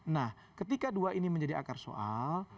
nah ketika dua ini menjadi akar soal